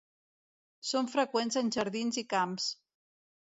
Són freqüents en jardins i camps.